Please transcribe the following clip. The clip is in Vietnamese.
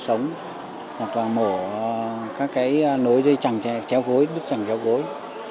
hoặc là mổ các cái nối dây chẳng chè chéo gối đứt chẳng chéo gối